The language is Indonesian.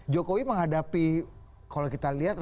jokowi menghadapi kalau kita lihat rivalitas itu